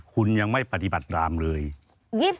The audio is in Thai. คุณยังไม่ปฏิบัติรามเลย